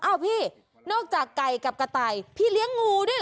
พี่นอกจากไก่กับกระต่ายพี่เลี้ยงงูด้วย